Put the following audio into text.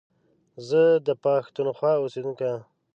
زه دا پښتونخوا اوسيدونکی يم.